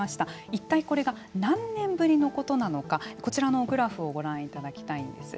一体これが何年ぶりのことなのかこちらのグラフをご覧いただきたいんです。